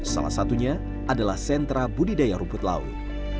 salah satunya adalah sentra budidaya rumput laut